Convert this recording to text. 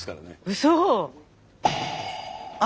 うそ！